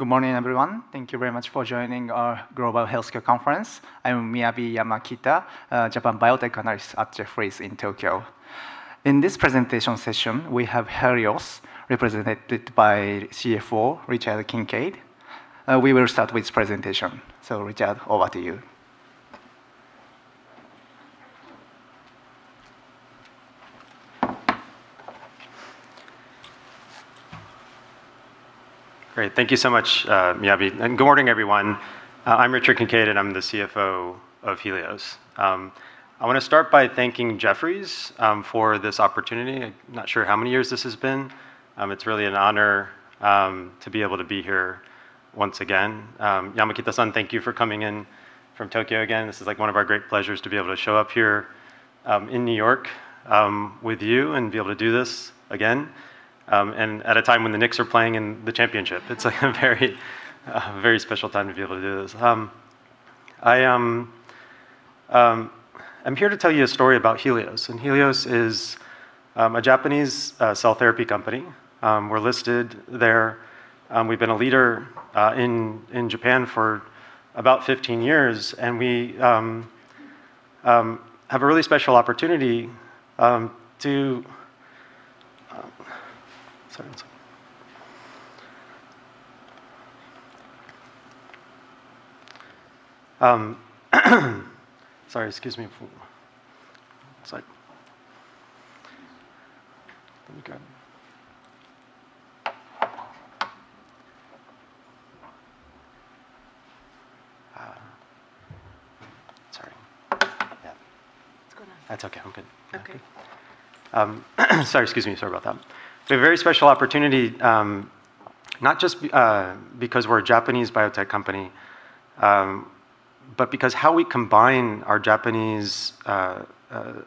Good morning, everyone. Thank you very much for joining our Global Healthcare Conference. I'm Miyabi Yamakita, Japan biotech analyst at Jefferies in Tokyo. In this presentation session, we have Healios represented by CFO Richard Kincaid. We will start with presentation. Richard, over to you. Great. Thank you so much, Miyabi. Good morning, everyone. I'm Richard Kincaid. I'm the CFO of Healios. I want to start by thanking Jefferies for this opportunity. I'm not sure how many years this has been. It's really an honor to be able to be here once again. Yamakita-san, thank you for coming in from Tokyo again. This is one of our great pleasures to be able to show up here in New York with you and be able to do this again, at a time when the Knicks are playing in the championship. It's a very special time to be able to do this. I'm here to tell you a story about Healios. Healios is a Japanese cell therapy company. We're listed there. We've been a leader in Japan for about 15 years. We have a really special opportunity to Sorry. Sorry. Excuse me for one second. Let me go Sorry. Yeah. What's going on? That's okay. I'm good. Okay. A very special opportunity, not just because we're a Japanese biotech company, but because how we combine our Japanese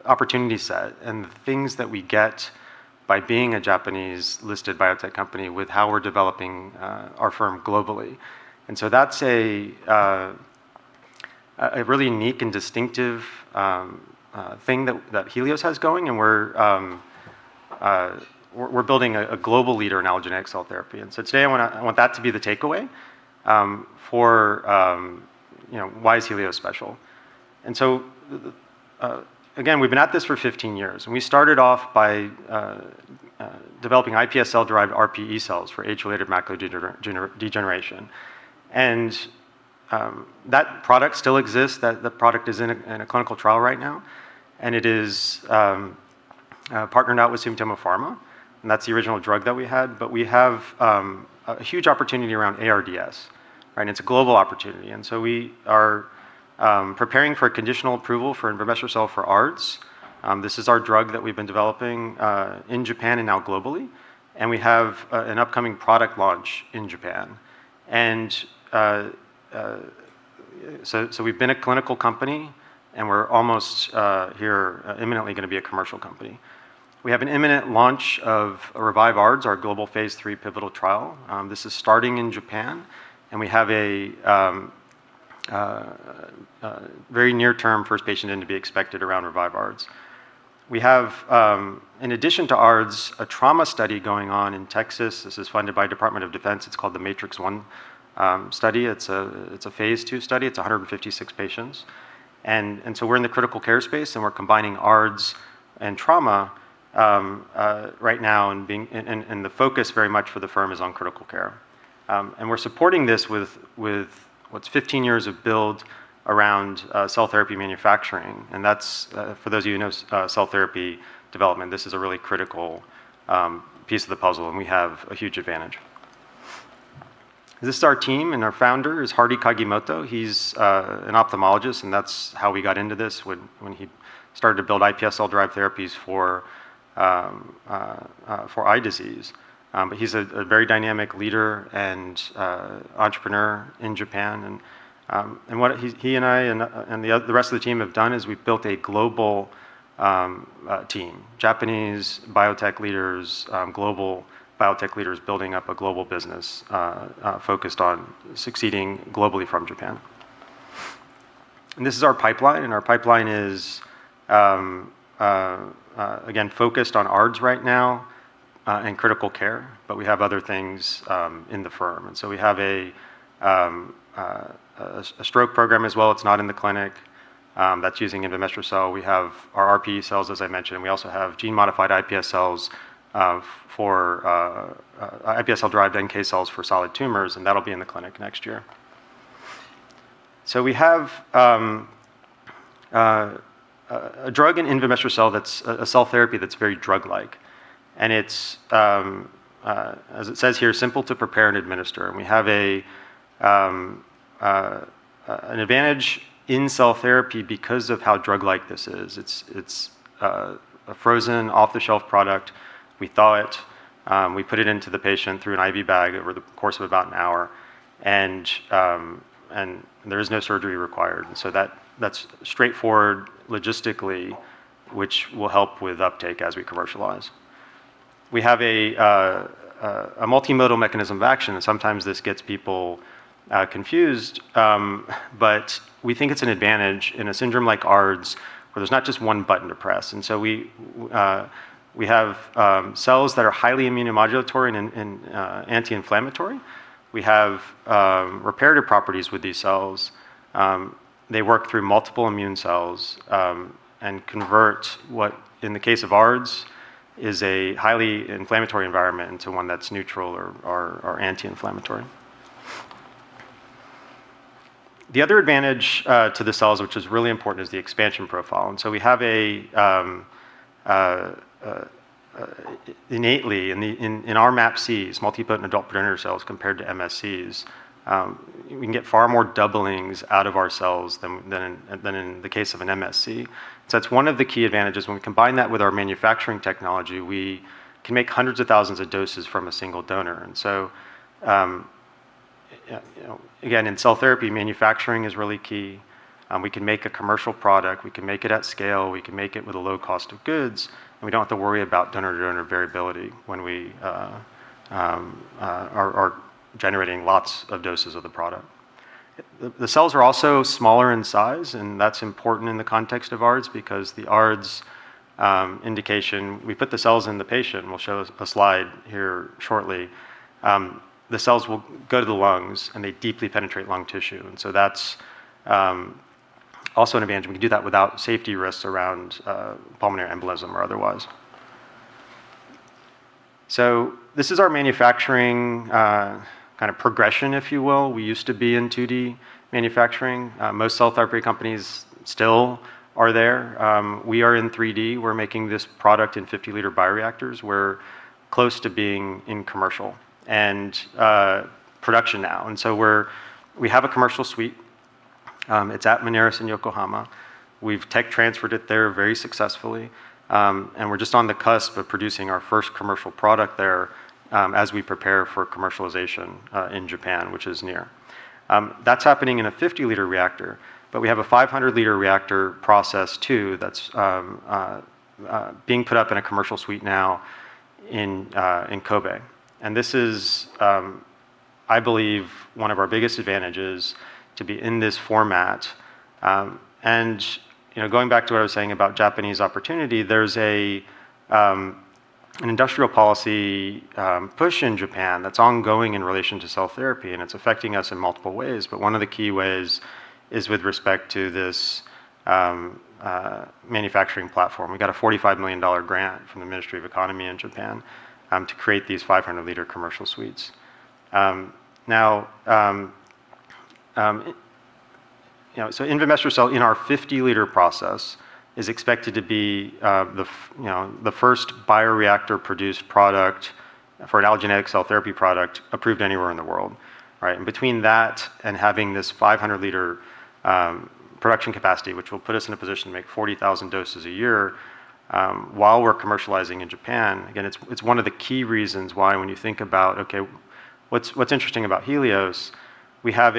opportunity set and the things that we get by being a Japanese-listed biotech company with how we're developing our firm globally. That's a really unique and distinctive thing that Healios K.K. has going, and we're building a global leader in allogeneic cell therapy. Today I want that to be the takeaway for why is Healios K.K. special. Again, we've been at this for 15 years, and we started off by developing iPS cell-derived RPE cells for age-related macular degeneration. That product still exists. That product is in a clinical trial right now, and it is partnered now with Sumitomo Pharma, and that's the original drug that we had. We have a huge opportunity around ARDS. It's a global opportunity. We are preparing for conditional approval for invimestrocel for ARDS. This is our drug that we've been developing in Japan and now globally, and we have an upcoming product launch in Japan. We've been a clinical company, and we're almost here imminently going to be a commercial company. We have an imminent launch of REVIVE-ARDS, our global phase III pivotal trial. This is starting in Japan, and we have a very near-term first patient in to be expected around REVIVE-ARDS. We have, in addition to ARDS, a trauma study going on in Texas. This is funded by Department of Defense. It's called the MATRICS-1 study. It's a phase II study. It's 156 patients. We're in the critical care space, and we're combining ARDS and trauma right now, and the focus very much for the firm is on critical care. We're supporting this with what's 15 years of build around cell therapy manufacturing, and for those of you who know cell therapy development, this is a really critical piece of the puzzle, and we have a huge advantage. This is our team, and our founder is Hardy Kagimoto. He's an ophthalmologist, and that's how we got into this when he started to build iPS cell-derived therapies for eye disease. He's a very dynamic leader and entrepreneur in Japan, and what he and I and the rest of the team have done is we've built a global team. Japanese biotech leaders, global biotech leaders building up a global business focused on succeeding globally from Japan. This is our pipeline. Our pipeline is, again, focused on ARDS right now and critical care, but we have other things in the firm. We have a stroke program as well. It's not in the clinic. That's using invimestrocel. We have our RPE cells, as I mentioned, and we also have gene-modified iPS cells for iPS cell-derived NK cells for solid tumors. That'll be in the clinic next year. We have a drug in invimestrocel that's a cell therapy that's very drug-like, and it's, as it says here, simple to prepare and administer. We have an advantage in cell therapy because of how drug-like this is. It's a frozen, off-the-shelf product. We thaw it. We put it into the patient through an IV bag over the course of about an hour. There is no surgery required. That's straightforward logistically, which will help with uptake as we commercialize. We have a multimodal mechanism of action. Sometimes this gets people confused, but we think it's an advantage in a syndrome like ARDS, where there's not just one button to press. We have cells that are highly immunomodulatory and anti-inflammatory. We have reparative properties with these cells. They work through multiple immune cells, convert what, in the case of ARDS, is a highly inflammatory environment into one that's neutral or anti-inflammatory. The other advantage to the cells, which is really important, is the expansion profile. We have, innately in our MAPCs, multipotent adult progenitor cells compared to MSCs, we can get far more doublings out of our cells than in the case of an MSC. That's one of the key advantages. When we combine that with our manufacturing technology, we can make hundreds of thousands of doses from a single donor. Again, in cell therapy, manufacturing is really key. We can make a commercial product, we can make it at scale, we can make it with a low cost of goods, and we don't have to worry about donor-to-donor variability when we are generating lots of doses of the product. The cells are also smaller in size. That's important in the context of ARDS because the ARDS indication, we put the cells in the patient, and we'll show a slide here shortly. The cells will go to the lungs. They deeply penetrate lung tissue, and that's also an advantage. We can do that without safety risks around pulmonary embolism or otherwise. This is our manufacturing progression, if you will. We used to be in 2D manufacturing. Most cell therapy companies still are there. We are in 3D. We're making this product in 50-liter bioreactors. We're close to being in commercial and production now. We have a commercial suite. It's at Minaris in Yokohama. We've tech transferred it there very successfully. We're just on the cusp of producing our first commercial product there, as we prepare for commercialization in Japan, which is near. That's happening in a 50-liter reactor, but we have a 500-liter reactor process too that's being put up in a commercial suite now in Kobe. This is, I believe, one of our biggest advantages to be in this format. Going back to what I was saying about Japanese opportunity, there's an industrial policy push in Japan that's ongoing in relation to cell therapy, and it's affecting us in multiple ways. One of the key ways is with respect to this manufacturing platform. We got a JPY 45 million grant from the Ministry of Economy in Japan to create these 500-liter commercial suites. invimestrocel in our 50-liter process is expected to be the first bioreactor-produced product for an allogeneic cell therapy product approved anywhere in the world, right? Between that and having this 500-liter production capacity, which will put us in a position to make 40,000 doses a year, while we're commercializing in Japan, again, it's one of the key reasons why when you think about, okay, what's interesting about Healios, we have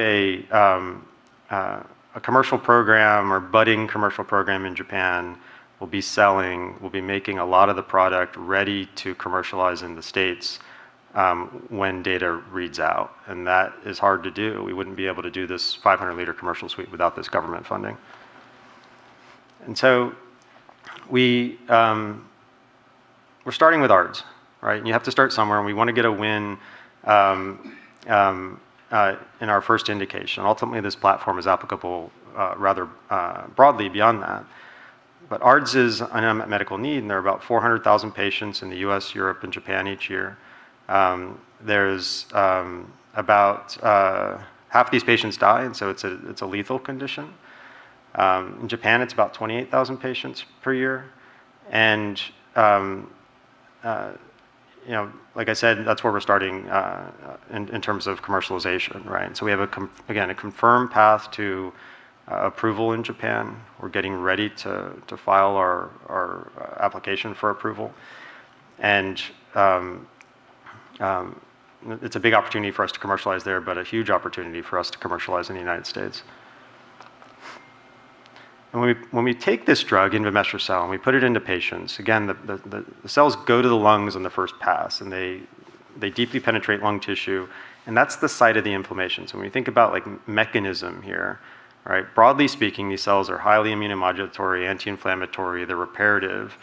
a commercial program or budding commercial program in Japan. We'll be selling, we'll be making a lot of the product ready to commercialize in the U.S. when data reads out, and that is hard to do. We wouldn't be able to do this 500-liter commercial suite without this government funding. We're starting with ARDS, right? You have to start somewhere, and we want to get a win in our first indication. Ultimately, this platform is applicable rather broadly beyond that. ARDS is an unmet medical need, and there are about 400,000 patients in the U.S., Europe, and Japan each year. About half these patients die, and so it's a lethal condition. In Japan, it's about 28,000 patients per year. Like I said, that's where we're starting in terms of commercialization, right? We have, again, a confirmed path to approval in Japan. We're getting ready to file our application for approval. It's a big opportunity for us to commercialize there, but a huge opportunity for us to commercialize in the United States. When we take this drug, invimestrocel, and we put it into patients, again, the cells go to the lungs on the first pass and they deeply penetrate lung tissue, and that's the site of the inflammation. When we think about mechanism here, right? Broadly speaking, these cells are highly immunomodulatory, anti-inflammatory, they're reparative.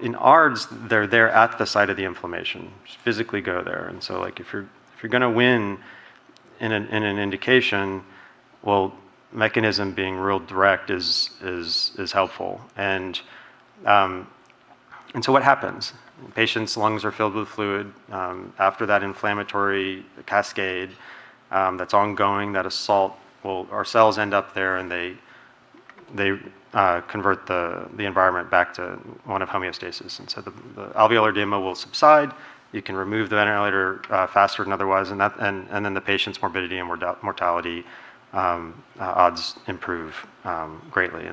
In ARDS, they're at the site of the inflammation, physically go there. If you're going to win in an indication, well, mechanism being real direct is helpful. What happens? The patient's lungs are filled with fluid. After that inflammatory cascade that's ongoing, that assault, well, our cells end up there and they convert the environment back to one of homeostasis. The alveolar edema will subside. You can remove the ventilator faster than otherwise, and then the patient's morbidity and mortality odds improve greatly.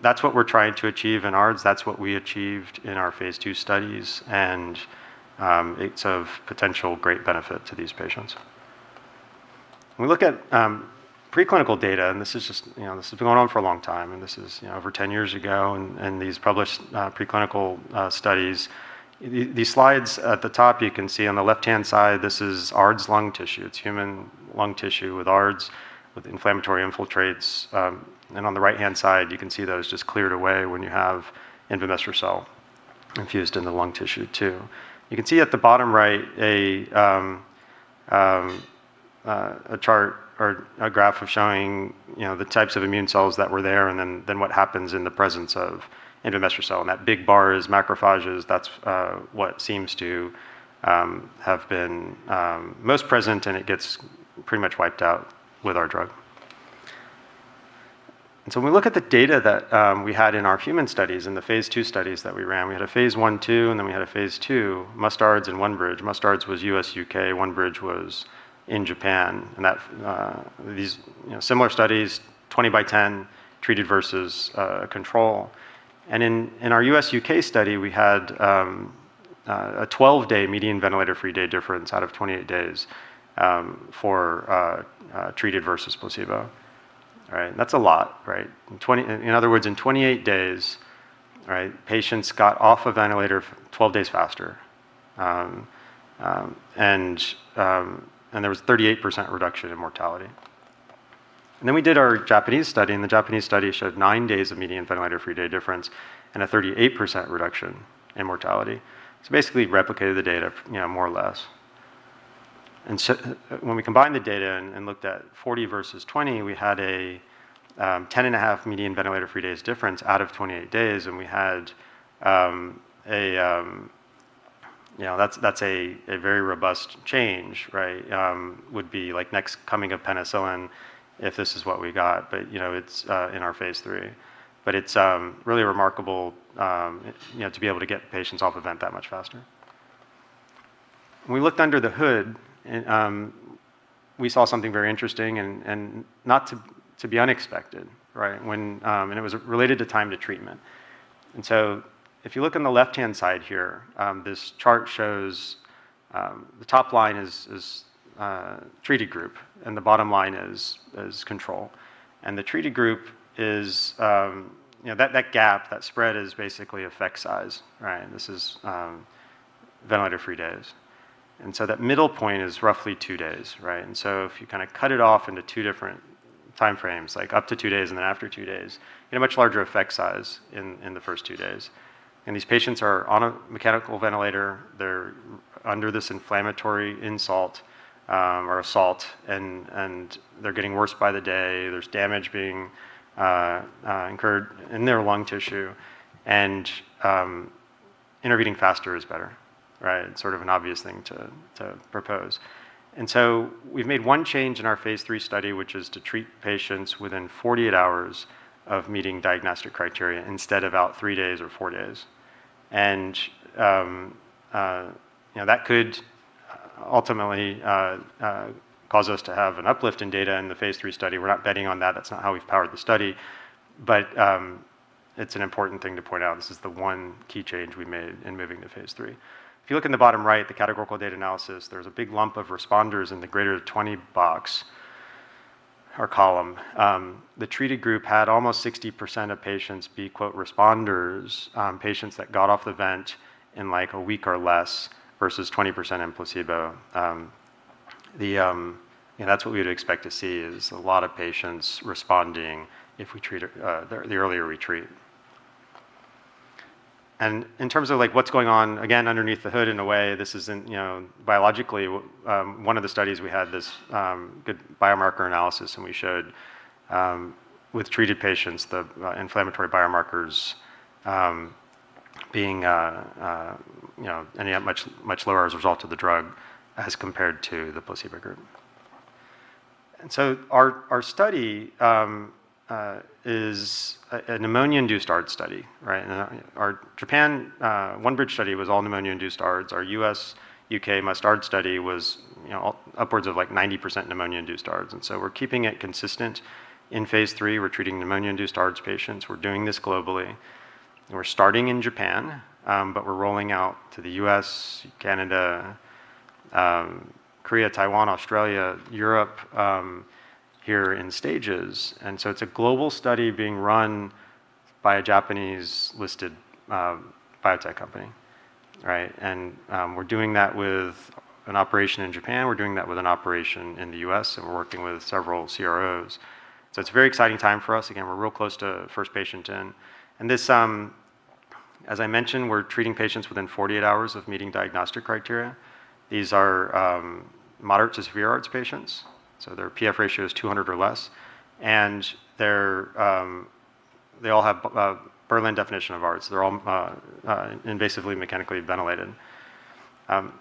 That's what we're trying to achieve in ARDS. That's what we achieved in our phase II studies, and it's of potential great benefit to these patients. When we look at preclinical data, and this has been going on for a long time, and this is over 10 years ago in these published preclinical studies. These slides at the top, you can see on the left-hand side, this is ARDS lung tissue. It's human lung tissue with ARDS, with inflammatory infiltrates. On the right-hand side, you can see those just cleared away when you have endovascular cell infused in the lung tissue too. You can see at the bottom right, a chart or a graph of showing the types of immune cells that were there, and then what happens in the presence of endovascular cell. That big bar is macrophages. That's what seems to have been most present, and it gets pretty much wiped out with our drug. When we look at the data that we had in our human studies, in the phase II studies that we ran, we had a phase I, II, and then we had a phase II, MUST-ARDS and ONE-BRIDGE. MUST-ARDS was U.S., U.K. ONE-BRIDGE was in Japan. These similar studies, 20 by 10, treated versus control. In our U.S., U.K. study, we had a 12-day median ventilator-free day difference out of 28 days for treated versus placebo. All right. That's a lot. In other words, in 28 days, patients got off a ventilator 12 days faster. There was 38% reduction in mortality. Then we did our Japanese study. The Japanese study showed nine days of median ventilator-free day difference and a 38% reduction in mortality. Basically replicated the data more or less. When we combined the data and looked at 40 versus 20, we had a 10 and a half median ventilator-free days difference out of 28 days, and we had a very robust change. Would be like next coming of penicillin if this is what we got. It's in our phase III. It's really remarkable to be able to get patients off a vent that much faster. When we looked under the hood, we saw something very interesting and not to be unexpected. It was related to time to treatment. If you look on the left-hand side here, this chart shows the top line is treated group and the bottom line is control. The treated group, that gap, that spread is basically effect size. This is ventilator-free days. That middle point is roughly two days. If you cut it off into two different time frames, like up to two days, and then after two days, you get a much larger effect size in the first two days. These patients are on a mechanical ventilator. They're under this inflammatory insult, or assault, and they're getting worse by the day. There's damage being incurred in their lung tissue. Intervening faster is better. Sort of an obvious thing to propose. We've made one change in our phase III study, which is to treat patients within 48 hours of meeting diagnostic criteria instead of about three days or four days. That could ultimately cause us to have an uplift in data in the phase III study. We're not betting on that. That's not how we've powered the study, but it's an important thing to point out. This is the one key change we made in moving to phase III. If you look in the bottom right, the categorical data analysis, there's a big lump of responders in the greater than 20 box or column. The treated group had almost 60% of patients be, quote, "responders," patients that got off the vent in a week or less versus 20% in placebo. That's what we would expect to see is a lot of patients responding if we treat the earlier we treat. In terms of what's going on, again, underneath the hood, in a way, biologically, one of the studies we had this good biomarker analysis. We showed with treated patients, the inflammatory biomarkers being much lower as a result of the drug as compared to the placebo group. Our study is a pneumonia-induced ARDS study, right? Our Japan ONE-BRIDGE study was all pneumonia-induced ARDS. Our U.S., U.K. MUST-ARDS study was upwards of like 90% pneumonia-induced ARDS. We're keeping it consistent. In phase III, we're treating pneumonia-induced ARDS patients. We're doing this globally. We're starting in Japan, but we're rolling out to the U.S., Canada, Korea, Taiwan, Australia, Europe here in stages. It's a global study being run by a Japanese-listed biotech company, right? We're doing that with an operation in Japan. We're doing that with an operation in the U.S. We're working with several CROs. It's a very exciting time for us. Again, we're real close to first patient in. This, as I mentioned, we're treating patients within 48 hours of meeting diagnostic criteria. These are moderate to severe ARDS patients, so their P/F ratio is 200 or less. They all have Berlin definition of ARDS. They're all invasively mechanically ventilated.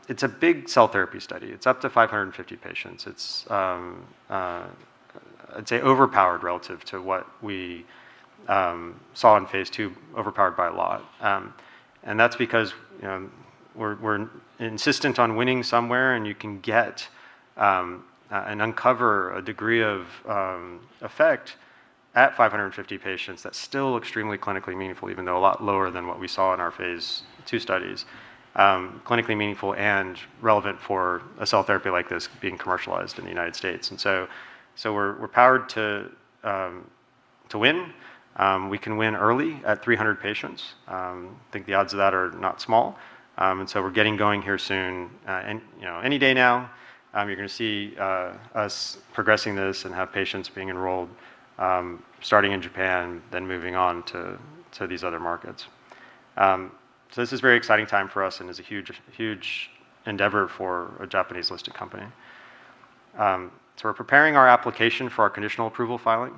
It's a big cell therapy study. It's up to 550 patients. It's I'd say overpowered relative to what we saw in phase II, overpowered by a lot. That's because we're insistent on winning somewhere, and you can get and uncover a degree of effect. At 550 patients, that's still extremely clinically meaningful, even though a lot lower than what we saw in our phase II studies. Clinically meaningful and relevant for a cell therapy like this being commercialized in the U.S. We're powered to win. We can win early at 300 patients. I think the odds of that are not small. We're getting going here soon. Any day now, you're going to see us progressing this and have patients being enrolled, starting in Japan, then moving on to these other markets. This is a very exciting time for us and is a huge endeavor for a Japanese-listed company. We're preparing our application for our conditional approval filing.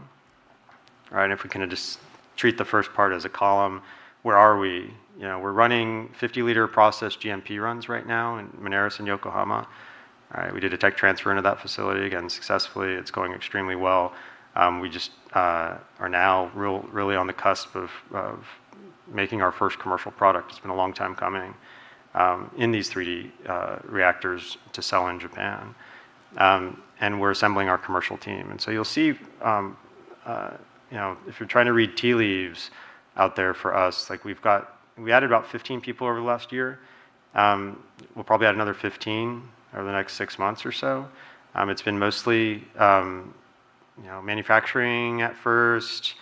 If we can just treat the first part as a column, where are we? We're running 50-liter process GMP runs right now in Minaris, in Yokohama. We did a tech transfer into that facility, again, successfully. It's going extremely well. We just are now really on the cusp of making our first commercial product, it's been a long time coming, in these three reactors to sell in Japan. We're assembling our commercial team. You'll see, if you're trying to read tea leaves out there for us, we added about 15 people over the last year. We'll probably add another 15 over the next six months or so. It's been mostly manufacturing at first,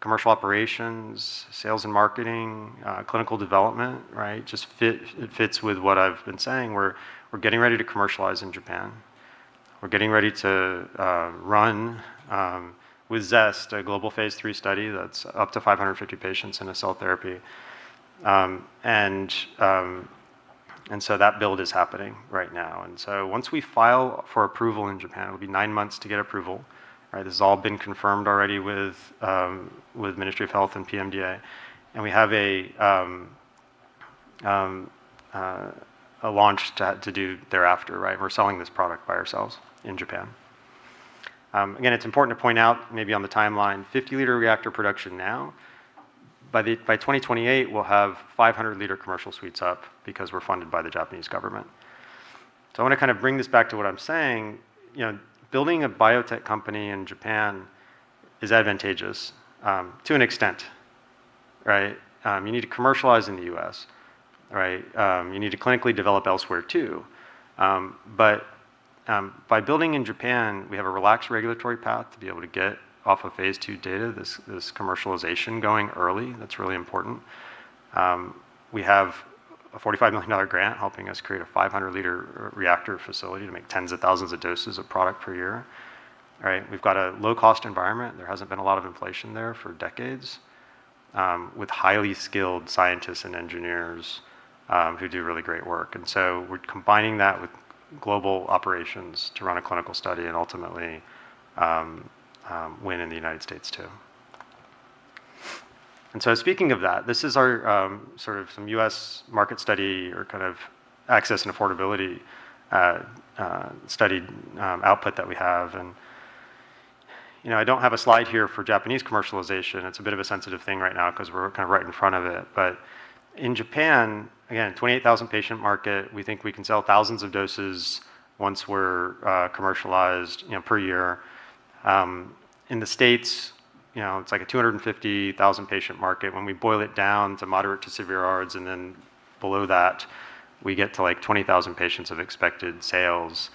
commercial operations, sales and marketing, clinical development. Just fits with what I've been saying. We're getting ready to commercialize in Japan. We're getting ready to run with REVIVE-ARDS, a global phase III study that's up to 550 patients in a cell therapy. That build is happening right now. Once we file for approval in Japan, it'll be nine months to get approval. This has all been confirmed already with Ministry of Health and PMDA. We have a launch to do thereafter. We're selling this product by ourselves in Japan. Again, it's important to point out maybe on the timeline, 50-liter reactor production now. By 2028, we'll have 500-liter commercial suites up because we're funded by the Japanese government. I want to bring this back to what I'm saying. Building a biotech company in Japan is advantageous to an extent. You need to commercialize in the U.S. You need to clinically develop elsewhere, too. By building in Japan, we have a relaxed regulatory path to be able to get off of phase II data, this commercialization going early. That's really important. We have a JPY 45 million grant helping us create a 500-liter reactor facility to make tens of thousands of doses of product per year. We've got a low-cost environment, there hasn't been a lot of inflation there for decades, with highly skilled scientists and engineers who do really great work. We're combining that with global operations to run a clinical study and ultimately win in the U.S., too. Speaking of that, this is our some U.S. market study or kind of access and affordability studied output that we have. I don't have a slide here for Japanese commercialization. It's a bit of a sensitive thing right now because we're right in front of it. In Japan, again, 28,000-patient market, we think we can sell thousands of doses once we're commercialized per year. In the States, it's like a 250,000-patient market. When we boil it down to moderate to severe ARDS and then below that, we get to 20,000 patients of expected sales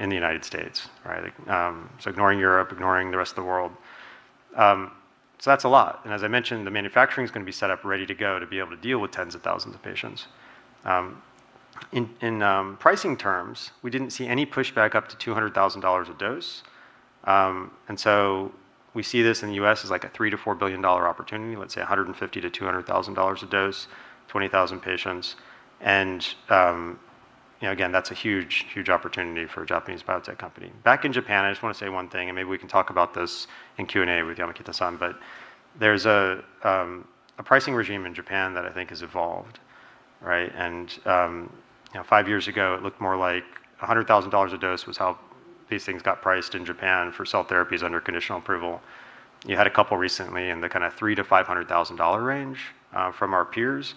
in the U.S. Ignoring Europe, ignoring the rest of the world. That's a lot, and as I mentioned, the manufacturing's going to be set up ready to go to be able to deal with tens of thousands of patients. In pricing terms, we didn't see any pushback up to JPY 200,000 a dose. We see this in the U.S. as like a 3 billion to JPY 4 billion opportunity. Let's say 150,000 to JPY 200,000 a dose, 20,000 patients, and again, that's a huge opportunity for a Japanese biotech company. Back in Japan, I just want to say one thing, and maybe we can talk about this in Q&A with Yamakita-san, there's a pricing regime in Japan that I think has evolved. Five years ago, it looked more like JPY 100,000 a dose was how these things got priced in Japan for cell therapies under conditional approval. You had a couple recently in the kind of 300,000 to JPY 500,000 range from our peers.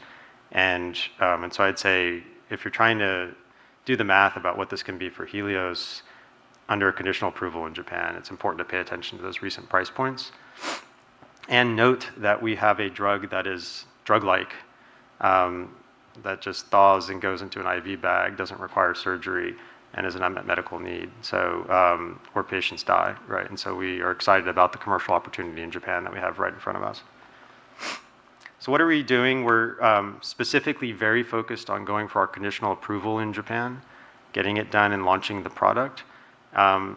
I'd say if you're trying to do the math about what this can be for Healios under a conditional approval in Japan, it's important to pay attention to those recent price points. Note that we have a drug that is drug-like, that just thaws and goes into an IV bag, doesn't require surgery, and is an unmet medical need where patients die. We are excited about the commercial opportunity in Japan that we have right in front of us. What are we doing? We are specifically very focused on going for our conditional approval in Japan, getting it done and launching the product, and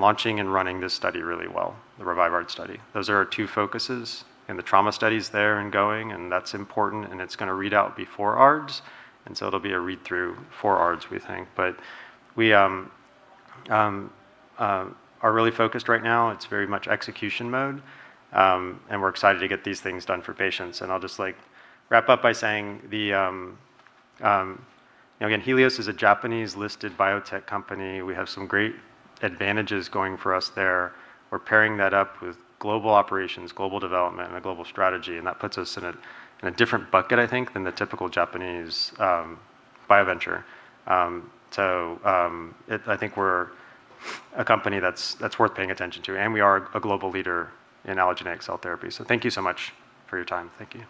launching and running this study really well, the REVIVE-ARDS study. Those are our two focuses, and the trauma study's there and going, and that is important, and it is going to read out before ARDS, and it will be a read-through for ARDS, we think. But we are really focused right now. It is very much execution mode. We are excited to get these things done for patients. I will just wrap up by saying, again, Healios is a Japanese-listed biotech company. We have some great advantages going for us there. We are pairing that up with global operations, global development, and a global strategy, and that puts us in a different bucket, I think, than the typical Japanese BioVenture. I think we are a company that is worth paying attention to, and we are a global leader in allogeneic cell therapy. Thank you so much for your time. Thank you.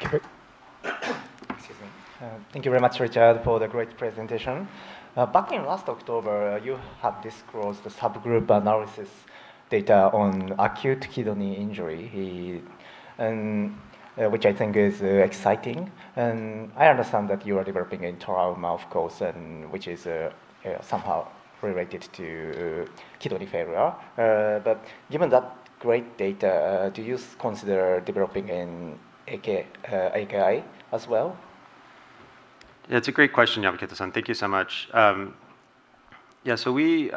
Thank you. Excuse me. Thank you very much, Richard, for the great presentation. Back in last October, you had disclosed the subgroup analysis data on acute kidney injury, which I think is very exciting. I understand that you are developing in trauma, of course, and which is somehow related to kidney failure. But given that great data, do you consider developing in AKI as well? Yamakita-san. Thank you so much. We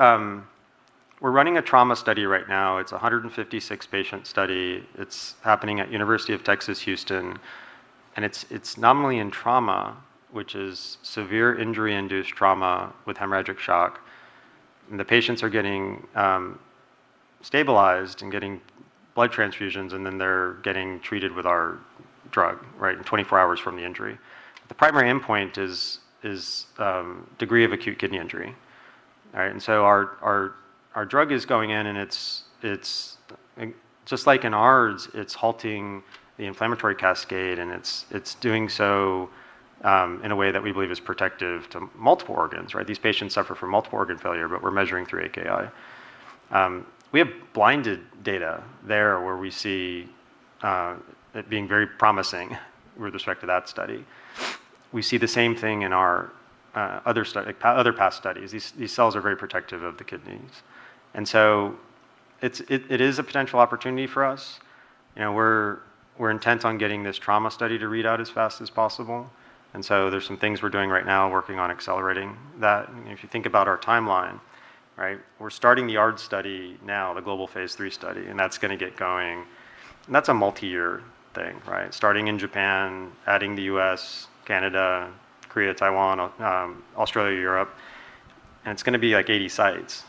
are running a trauma study right now. It is a 156-patient study. It is happening at University of Texas, Houston, and it is nominally in trauma, which is severe injury-induced trauma with hemorrhagic shock. The patients are getting stabilized and getting blood transfusions, and then they are getting treated with our drug, right, in 24 hours from the injury. The primary endpoint is degree of acute kidney injury. All right? Our drug is going in, and it is just like in ARDS, it is halting the inflammatory cascade, and it is doing so in a way that we believe is protective to multiple organs. These patients suffer from multiple organ failure, but we are measuring through AKI. We have blinded data there, where we see it being very promising with respect to that study. We see the same thing in our other past studies. These cells are very protective of the kidneys. It is a potential opportunity for us. We're intent on getting this trauma study to read out as fast as possible, there's some things we're doing right now working on accelerating that. If you think about our timeline, we're starting the ARDS study now, the global phase III study, that's going to get going. That's a multi-year thing. Starting in Japan, adding the U.S., Canada, Korea, Taiwan, Australia, Europe, and it's going to be, like, 80 sites.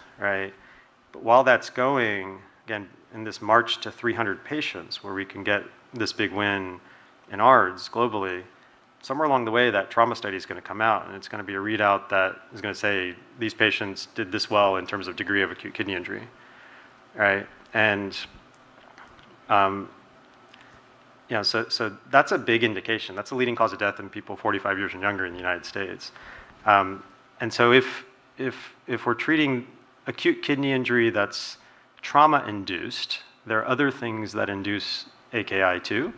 While that's going, again, in this march to 300 patients where we can get this big win in ARDS globally, somewhere along the way, that trauma study's going to come out, and it's going to be a readout that is going to say, "These patients did this well in terms of degree of acute kidney injury." That's a big indication. That's a leading cause of death in people 45 years and younger in the United States. If we're treating acute kidney injury that's trauma-induced, there are other things that induce AKI, too,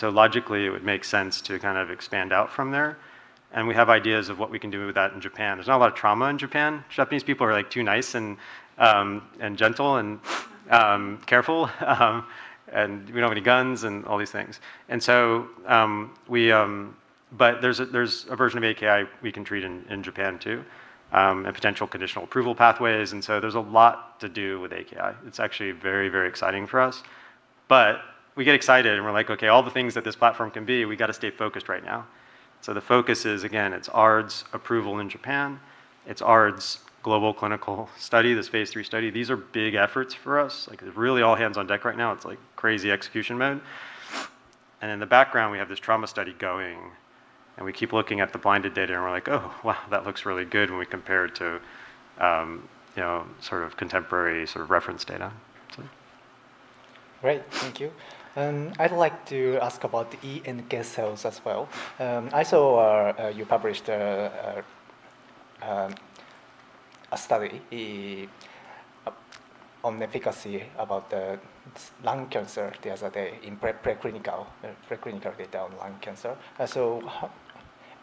logically, it would make sense to kind of expand out from there. We have ideas of what we can do with that in Japan. There's not a lot of trauma in Japan. Japanese people are too nice and gentle and careful and we don't have any guns and all these things. There's a version of AKI we can treat in Japan, too, and potential conditional approval pathways, there's a lot to do with AKI. It's actually very exciting for us. We get excited and we're like, "Okay, all the things that this platform can be," we got to stay focused right now. The focus is, again, it's ARDS approval in Japan, it's ARDS global clinical study, this phase III study. These are big efforts for us. It's really all hands on deck right now. It's crazy execution mode. In the background, we have this trauma study going, we keep looking at the blinded data, we're like, "Oh, wow, that looks really good" when we compare it to contemporary reference data. Great. Thank you. I'd like to ask about the eNK cells as well. I saw you published a study on the efficacy about the lung cancer the other day in preclinical data on lung cancer.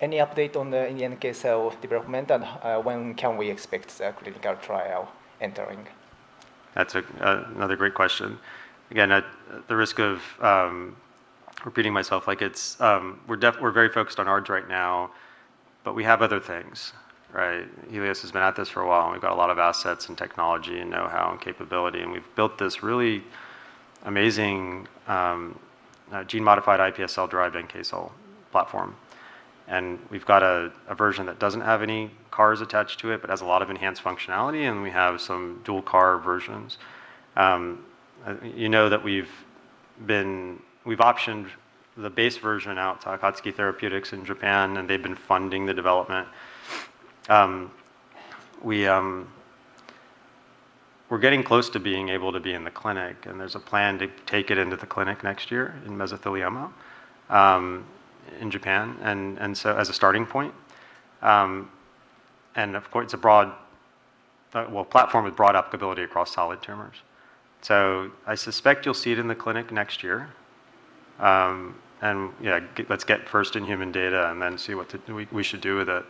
Any update on the eNK cell development, and when can we expect the clinical trial entering? That's another great question. Again, at the risk of repeating myself, we're very focused on ARDS right now, but we have other things. Healios has been at this for a while, and we've got a lot of assets and technology and know-how and capability. We've built this really amazing gene-modified iPS cell-derived NK cell platform. We've got a version that doesn't have any CARs attached to it but has a lot of enhanced functionality, and we have some dual CAR versions. You know that we've optioned the base version out to Akatsuki Therapeutics in Japan. They've been funding the development. We're getting close to being able to be in the clinic. There's a plan to take it into the clinic next year in mesothelioma in Japan. As a starting point, and of course, it's a platform with broad applicability across solid tumors. I suspect you'll see it in the clinic next year. Let's get first in human data and then see what we should do with it.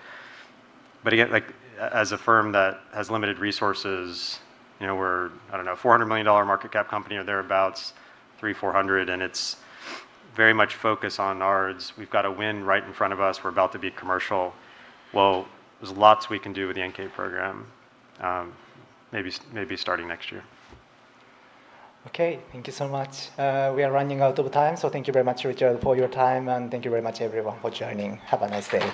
Again, as a firm that has limited resources, we're a, I don't know, JPY 400 million market cap company or thereabouts, 300, 400, and it's very much focused on ARDS. We've got a win right in front of us. We're about to be commercial. Well, there's lots we can do with the NK program, maybe starting next year. Okay. Thank you so much. We are running out of time. Thank you very much, Richard, for your time, and thank you very much everyone for joining. Have a nice day.